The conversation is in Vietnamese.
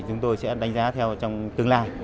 chúng tôi sẽ đánh giá theo trong tương lai